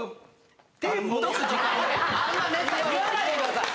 あんまネタ言わないでください。